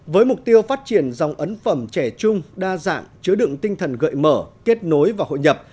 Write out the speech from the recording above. với mục tiêu phát triển dòng ấn phẩm trẻ chung đa dạng chứa đựng tinh thần gợi mở kết nối và hội nhập